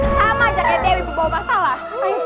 sama jaketnya ibu bawa masalah